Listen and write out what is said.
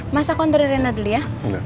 mas aku antarin rena dulu ya